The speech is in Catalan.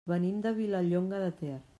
Venim de Vilallonga de Ter.